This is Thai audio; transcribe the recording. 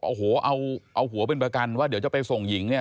โอ้โหเอาหัวเป็นประกันว่าเดี๋ยวจะไปส่งหญิงเนี่ย